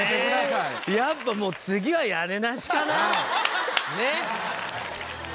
やっぱもう次は屋根なしかな？